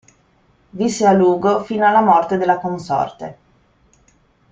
Visse a Lugo fino alla morte della consorte.